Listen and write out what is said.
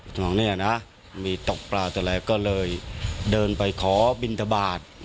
ดอย่างนี้มีตกปลาแต่ละก็เลยเดินไปขอบินทบาท